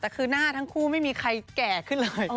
แต่คือหน้าทั้งคู่ไม่มีใครแก่ขึ้นเลย